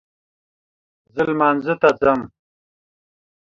زه لمانځه ته ځم